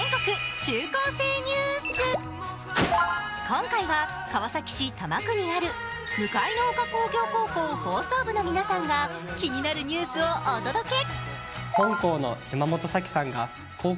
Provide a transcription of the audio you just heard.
今回は川崎市多摩区にある向の丘工業高校の放送部の皆さんが気になるニュースをお届け。